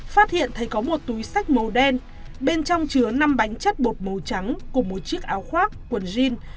phát hiện thấy có một túi sách màu đen bên trong chứa năm bánh chất bột màu trắng cùng một chiếc áo khoác quần jean